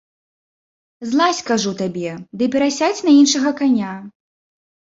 Злазь, кажу табе, ды перасядзь на іншага каня.